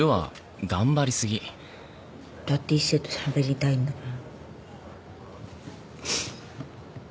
だって一星としゃべりたいんだもん。